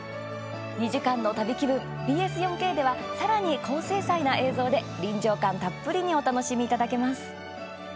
２時間の旅気分、ＢＳ４Ｋではさらに高精細な映像で臨場感たっぷりにお楽しみいただけます。